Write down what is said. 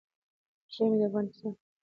ژمی د افغانستان د پوهنې نصاب کې شامل دي.